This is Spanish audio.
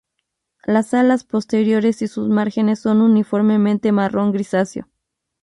Las alas posteriores y sus márgenes son uniformemente marrón grisáceo.